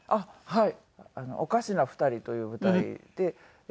はい。